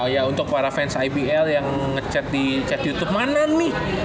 ya untuk para fans ibl yang ngechat di chat youtube mana nih pertandingannya mana nih